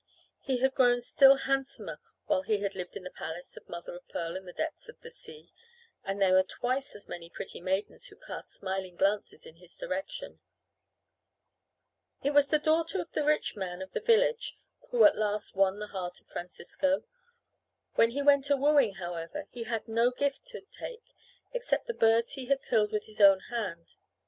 He had grown still handsomer while he had lived in the palace of mother of pearl in the depths of the sea, and there were twice as many pretty maidens who cast smiling glances in his direction. It was the daughter of the rich man of the village who at last won the heart of Francisco. When he went a wooing, however, he had no gift to take except the birds he had killed with his own hand.